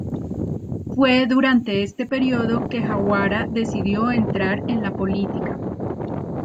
Fue durante este período que Jawara decidió entrar en la política.